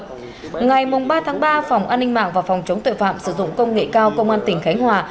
ngày ba tháng ba phòng an ninh mạng và phòng chống tội phạm sử dụng công nghệ cao công an tỉnh khánh hòa